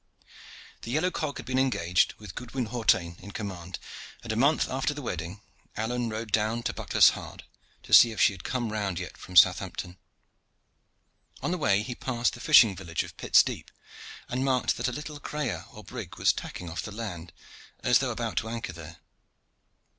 The yellow cog had been engaged, with Goodwin Hawtayne in command, and a month after the wedding Alleyne rode down to Bucklershard to see if she had come round yet from Southampton. On the way he passed the fishing village of Pitt's Deep, and marked that a little creyer or brig was tacking off the land, as though about to anchor there.